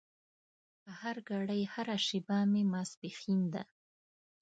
هرګړۍ هره شېبه مې ماسپښين ده